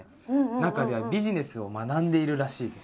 中ではビジネスを学んでいるらしいです。